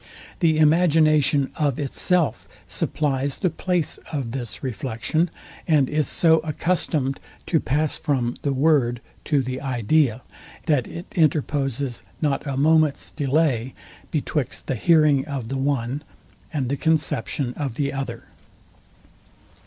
The imagination of itself supplies the place of this reflection, and is so accustomed to pass from the word to the idea, that it interposes not a moment's delay betwixt the hearing of the one, and the conception of the other.